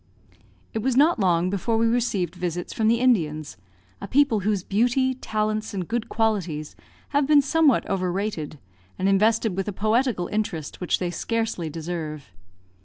It was not long before we received visits from the Indians, a people whose beauty, talents, and good qualities have been somewhat overrated, and invested with a poetical interest which they scarcely deserve.